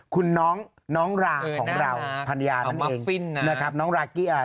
คุณน้องน้องราของเราภรรยานั่นเองเออน่ารักเอามาฟิ่นนะครับ